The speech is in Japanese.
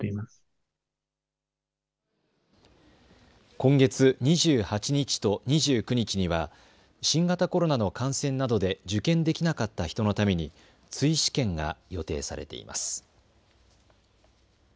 今月２８日と２９日には新型コロナの感染などで受験できなかった人のために追試験が予定されています。